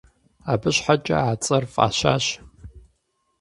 Абы щхьэкӀэ а цӀэр фӀащащ.